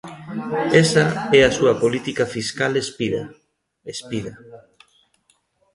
Esa é a súa política fiscal espida, espida.